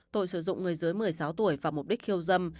tội sử dụng người dưới một mươi sáu tuổi vào mục đích khiêu dâm